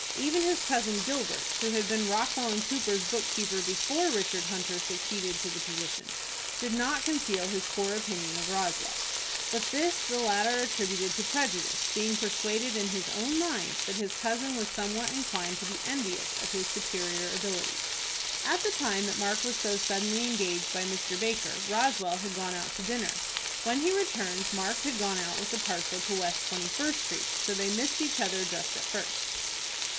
Even his Cousin Gilbert, who had been Rockwell & Cooper's book keeper before Richard Hunter succeeded to the position, did not conceal his poor opinion of Roswell; but this the latter attributed to prejudice, being persuaded in his own mind that his cousin was somewhat inclined to be envious of his superior abilities. At the time that Mark was so suddenly engaged by Mr. Baker, Roswell had gone out to dinner. When he returned, Mark had gone out with the parcel to West Twenty first Street. So they missed each other just at first.